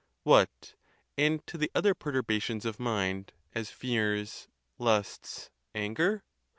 What, and to the other perturbations of mind, as fears, lusts, anger?